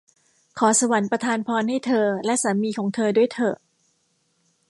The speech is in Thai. ขอสวรรค์ประทานพรให้เธอและสามีของเธอด้วยเถอะ !